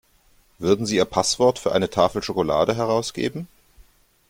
Würden Sie Ihr Passwort für eine Tafel Schokolade herausgeben?